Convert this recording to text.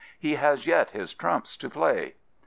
He has yet his trumps to play.